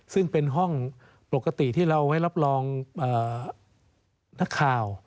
ซึ่งเป็นห้องปกติที่เราไว้รับรองนักข่าว